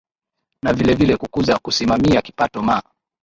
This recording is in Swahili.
na vile vile kukuza kusimamia kipato maa